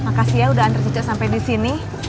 makasih ya udah antar cecok sampe disini